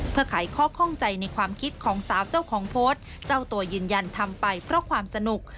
เพื่อขายข้อข้องใจในความคิดของสาวเจ้าของโพสต์เจ้าตัวยืนยันทำไปเพราะความสนุก